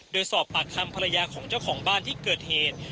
โดยสอบปากคำภรรยาของเจ้าของบ้านที่เกิดเหตุ